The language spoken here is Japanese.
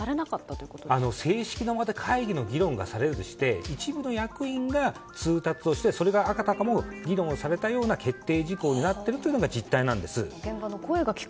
正式な場での会議で議論がされるとして一部の役員が通達をして、それがあたかも議論されたかのような決定事項になっているのが実態なんですね。